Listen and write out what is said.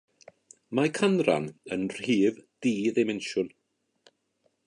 Mae canran yn rhif di ddimensiwn.